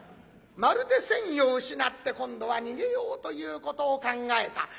まるで戦意を失って今度は逃げようということを考えた。